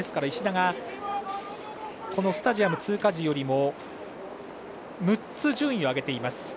石田はスタジアム通過時よりも６つ順位を上げています。